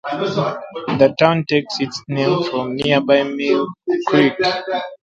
The town takes its name from nearby Mill Creek.